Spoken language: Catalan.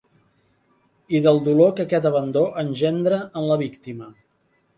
I del dolor que aquest abandó engendre en la víctima.